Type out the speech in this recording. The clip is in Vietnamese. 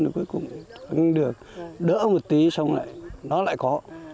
thì cuối cùng ăn được đỡ một tí xong lại nó lại có